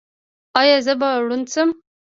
ایا زه به ړوند شم؟